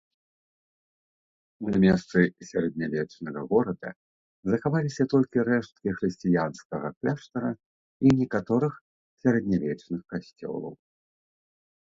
На месцы сярэднявечнага горада захаваліся толькі рэшткі хрысціянскага кляштара і некаторых сярэднявечных касцёлаў.